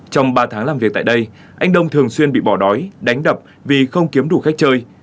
trong ba tháng làm việc tại đây anh đông thường xuyên bị bỏ đói đánh đập vì không kiếm đủ khách chơi